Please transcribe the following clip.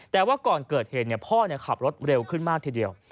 แต่ว่าก่อนเกิดเหตุพ่อขับรถเร็วขึ้นมากทีเดียว